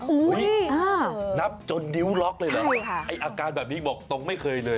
อุ๊ยนับจนดิ้วล็อคเลยเหรอใช่ค่ะไอ้อาการแบบนี้บอกตรงไม่เคยเลย